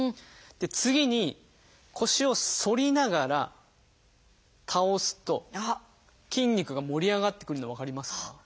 で次に腰を反りながら倒すと筋肉が盛り上がってくるの分かりますか？